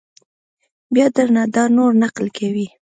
بیا در نه دا نور نقل کوي!